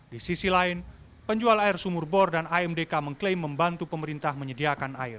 di sisi lain penjual air sumur bor dan amdk mengklaim membantu pemerintah menyediakan air